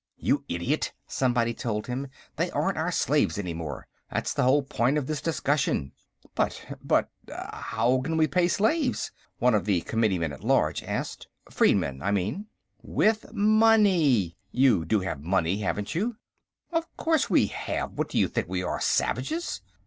"You idiot," somebody told him, "they aren't our slaves any more. That's the whole point of this discussion." "But ... but how can we pay slaves?" one of the committeemen at large asked. "Freedmen, I mean?" "With money. You do have money, haven't you?" "Of course we have. What do you think we are, savages?"